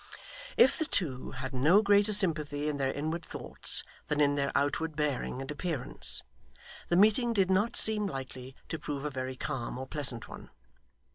If the two had no greater sympathy in their inward thoughts than in their outward bearing and appearance, the meeting did not seem likely to prove a very calm or pleasant one.